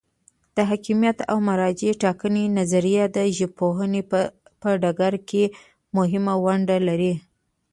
د حاکمیت او مرجع ټاکنې نظریه د ژبپوهنې په ډګر کې مهمه ونډه لري.